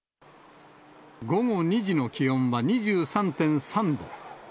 午後２時の気温は２３．３度。